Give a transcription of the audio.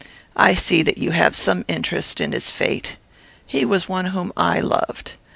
I see that you have some interest in his fate. He was one whom I loved.